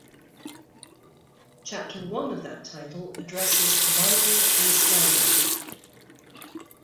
Chapter one of that title addresses libel and slander.